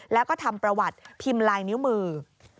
แล้วก็ทำประวัติพิมพ์ลายนิ้วมือ